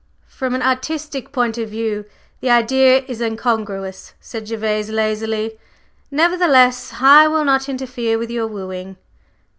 "From an artistic point of view the idea is incongruous," said Gervase lazily. "Nevertheless, I will not interfere with your wooing."